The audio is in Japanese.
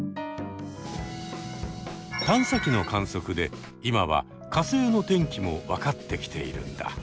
探査機の観測で今は火星の天気も分かってきているんだ。